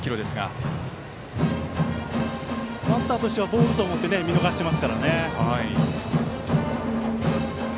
バッターとしてはボールだと思って見逃してますからね。